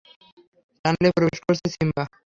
টানেলে প্রবেশ করছে সিম্বা!